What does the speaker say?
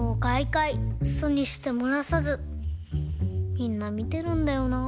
みんなみてるんだよなぁ。